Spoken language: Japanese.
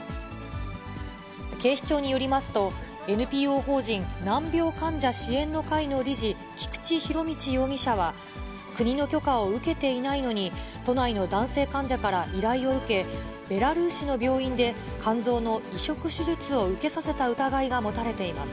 警視庁によりますと、ＮＰＯ法人難病患者支援の会の理事、菊池仁達容疑者は、国の許可を受けていないのに、都内の男性患者から依頼を受け、ベラルーシの病院で、肝臓の移植手術を受けさせた疑いが持たれています。